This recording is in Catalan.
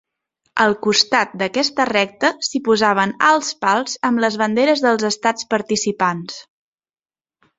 Al costat d'aquesta recta s'hi posaven alts pals amb les banderes dels estats participants.